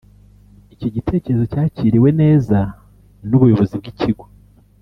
Iki gitekerezo cyakiriwe neza n’ubuyobozi bw’ikigo